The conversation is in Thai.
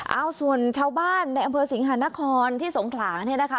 เอาส่วนชาวบ้านในอำเภอสิงหานครที่สงขลาเนี่ยนะคะ